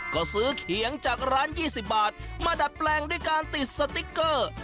ก็ซื้อเขียงจากร้าน๒๐บาทมาดัดแปลงด้วยการติดสติ๊กเกอร์